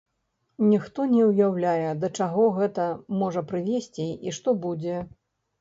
Ніхто не ўяўляе, да чаго гэта можа прывесці і што будзе.